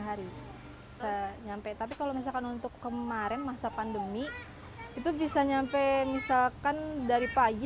hari nyampe tapi kalau misalkan untuk kemarin masa pandemi itu bisa nyampe misalkan dari pagi